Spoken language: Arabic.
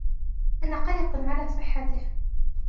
أنا قلق على صحته.